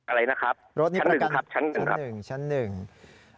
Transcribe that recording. อะไรนะครับชั้น๑ครับ